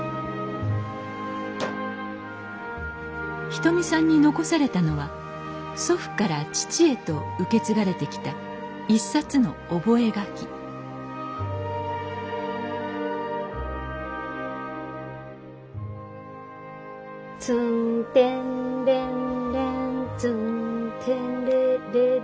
ひとみさんに残されたのは祖父から父へと受け継がれてきた一冊の覚え書き「ツンテンレンレンツンテレレレレ」。